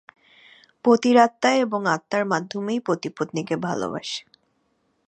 পতির আত্মায় এবং আত্মার মাধ্যমেই পত্নী পতিকে ভালবাসে।